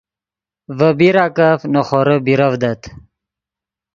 ڤے پیراکف نے خورے بیرڤدت